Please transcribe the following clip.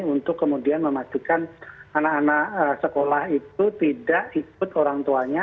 untuk kemudian memastikan anak anak sekolah itu tidak ikut orang tuanya